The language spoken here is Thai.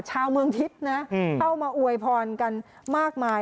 ชาวเมืองทิพย์นะเข้ามาอวยพรกันมากมาย